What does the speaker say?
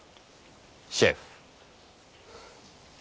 シェフ。